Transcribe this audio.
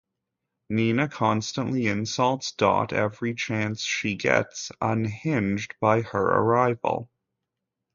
Nina constantly insults Dot every chance she gets, unhinged by her arrival.